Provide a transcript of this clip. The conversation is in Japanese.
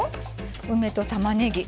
梅とたまねぎ。